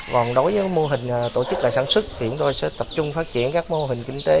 còn đối với mô hình tổ chức lại sản xuất thì chúng tôi sẽ tập trung phát triển các mô hình kinh tế